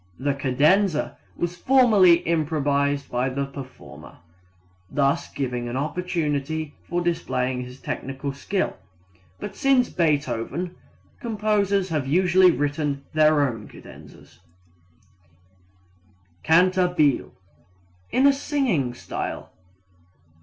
The cadenza was formerly improvised by the performer, (thus giving an opportunity of displaying his technical skill), but since Beethoven, composers have usually written their own cadenzas. Cantabile in a singing style.